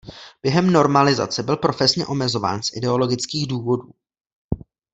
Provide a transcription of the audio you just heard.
Během normalizace byl profesně omezován z ideologických důvodů.